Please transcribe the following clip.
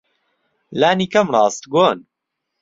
لانیکەم ڕاستگۆن.